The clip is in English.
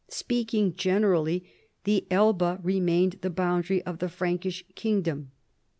Speaking generally, the Elbe remained the boundary of the Frankish kingdom.